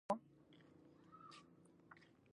جاپان هم له عین ګواښ سره مخ شو.